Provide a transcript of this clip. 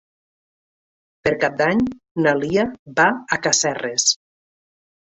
Per Cap d'Any na Lia va a Casserres.